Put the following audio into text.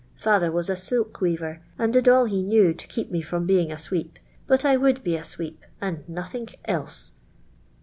Father was a silk weaver, nnd did all he knew to keep me from being a sweep, but I would be a sweep, and nothink else."